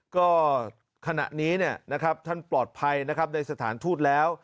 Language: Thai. ก็ขณะนี้ท่านปลอดภัยนะครับในสถานทูตแล้ว